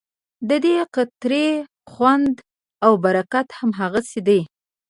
ددې قطرې خوند او برکت هماغسې دی.